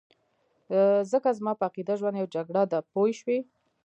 ځکه زما په عقیده ژوند یو جګړه ده پوه شوې!.